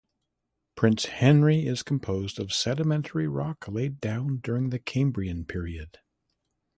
Prince Henry is composed of sedimentary rock laid down during the Cambrian period.